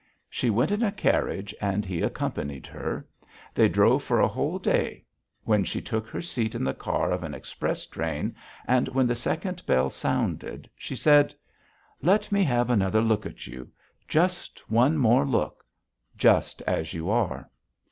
She went in a carriage and he accompanied her. They drove for a whole day. When she took her seat in the car of an express train and when the second bell sounded, she said: "Let me have another look at you.... Just one more look. Just as you are."